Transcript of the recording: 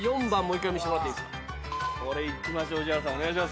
４番。